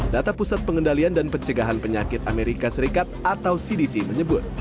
data pusat pengendalian dan pencegahan penyakit amerika serikat atau cdc menyebut